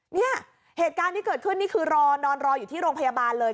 เนี่ยเหตุการณ์ที่เกิดขึ้นนี่คือรอนอนรออยู่ที่โรงพยาบาลเลย